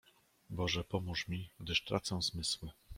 "Boże pomóż mi, gdyż tracę zmysły!"